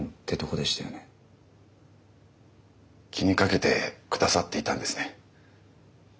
気に掛けてくださっていたんですね。